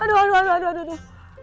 aduh aduh aduh aduh